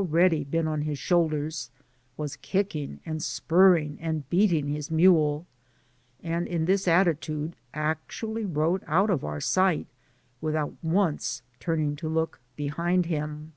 175 ready been on his shoulders, was kicking and spur ring and beating his mule, and in this attitude ac tually rode out of our sight, without once turning to look behind. him.